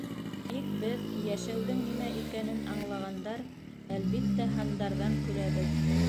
Тик беҙ, йәшәүҙең нимә икәнен аңлағандар, әлбиттә, һандарҙан көләбеҙ!